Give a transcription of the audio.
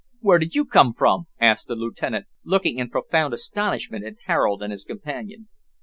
where did you come from?" asked the lieutenant, looking in profound astonishment at Harold and his companion.